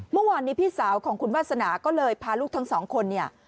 เมื่อวานนี้พี่สาวของคุณวาสนาก็เลยพาลูกทั้งสองคนเนี่ย